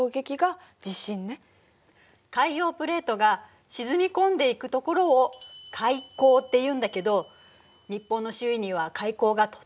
海洋プレートが沈み込んでいく所を海溝っていうんだけど日本の周囲には海溝がとても多いの。